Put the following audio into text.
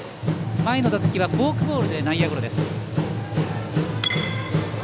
前の打席はフォアボールで内野ゴロ。